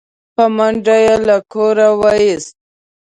په منډه يې له کوره و ايست